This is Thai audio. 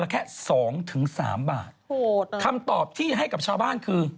คำตอบที่ให้กับชาวบ้านคือ